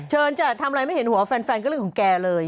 จะทำอะไรไม่เห็นหัวแฟนก็เรื่องของแกเลย